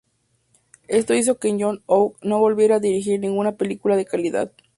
Esto hizo que John Hough no volviera a dirigir ninguna película de calidad.